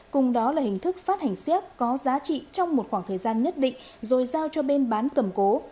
cùng đó là hình thức phát hành xét có giá trị trong một khoảng thời gian nhất định rồi giao cho bên bán cầm cố